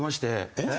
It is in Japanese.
えっ？